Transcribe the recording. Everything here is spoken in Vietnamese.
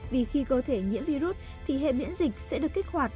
vì khi cơ thể nhiễm virus thì hệ miễn dịch sẽ được kích hoạt